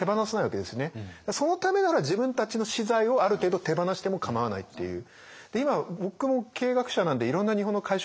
そのためなら自分たちの私財をある程度手放してもかまわないっていう。